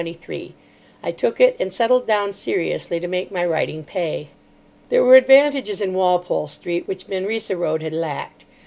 I took it, and settled down seriously to make my writing pay. There were advantages in Walpole Street which Manresa Road had lacked.